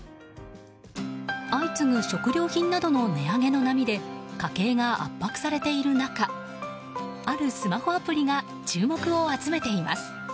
相次ぐ食料品などの値上げの波で家計が圧迫されている中あるスマホアプリが注目を集めています。